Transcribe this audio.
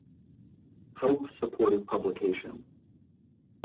Hope supported publication.